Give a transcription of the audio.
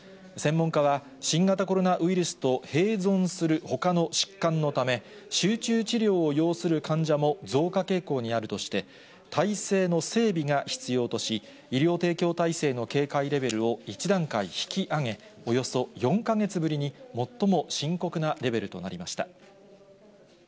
専門家は、新型コロナウイルスと併存するほかの疾患のため、集中治療を要する患者も増加傾向にあるとして、体制の整備が必要とし、医療提供体制の警戒レベルを１段階引き上げ、およそ４か月ぶりに、最も深刻なレベルとなりました。